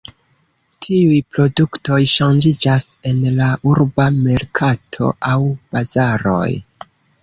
Tiuj produktoj ŝanĝiĝas en la urba merkato aŭ bazaroj.